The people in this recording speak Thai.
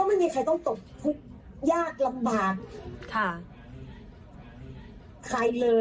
อะไรอย่างเงี้ย